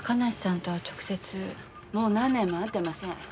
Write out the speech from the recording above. もう何年も会ってません。